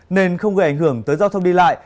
nên không gây ảnh hưởng tới giao thông đi lại